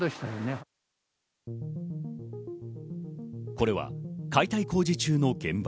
これは解体工事中の現場。